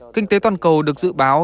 kinh tế toàn cầu được dự báo